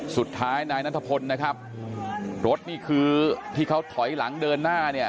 สุดท้ายนายนัทพลนะครับรถนี่คือที่เขาถอยหลังเดินหน้าเนี่ย